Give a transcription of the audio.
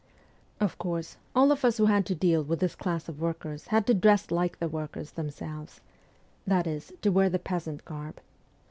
Of course, all of us who had to deal with this class of workers had to dress like the workers themselves that is, to wear the peasant garb.